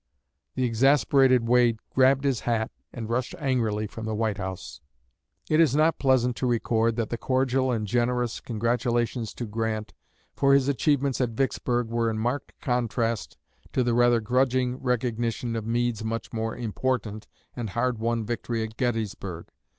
The exasperated Wade grabbed his hat and rushed angrily from the White House. It is not pleasant to record that the cordial and generous congratulations to Grant for his achievements at Vicksburg were in marked contrast to the rather grudging recognition of Meade's much more important and hard won victory at Gettysburg.